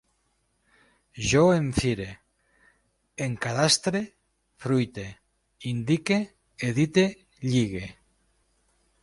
Jo em fire, encadastre, fruite, indique, edite, lligue